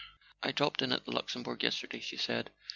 "I dropped in at the Luxembourg yesterday," she said.